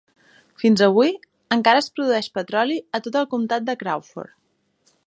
Fins avui, encara es produeix petroli a tot el comtat de Crawford.